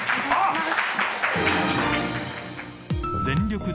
［全力！